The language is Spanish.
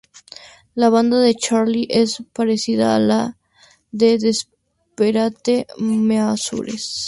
La bandana de Charlie es muy parecida a la de Desperate Measures.